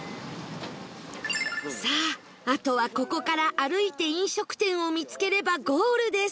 さああとはここから歩いて飲食店を見つければゴールです